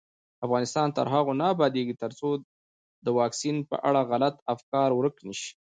افغانستان تر هغو نه ابادیږي، ترڅو د واکسین په اړه غلط افکار ورک نشي.